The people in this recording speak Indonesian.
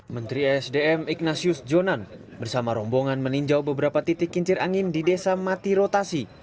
menteri esdm ignatius jonan bersama rombongan meninjau beberapa titik kincir angin di desa mati rotasi